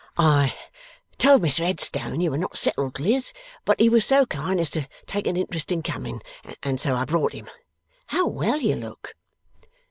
'I told Mr Headstone you were not settled, Liz, but he was so kind as to take an interest in coming, and so I brought him. How well you look!